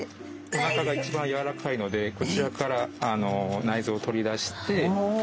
おなかが一番やわらかいのでこちらから内臓を取り出して。